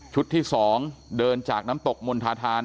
ที่๒เดินจากน้ำตกมณฑาธาน